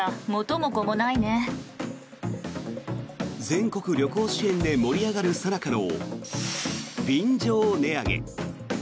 全国旅行支援で盛り上がるさなかの便乗値上げ。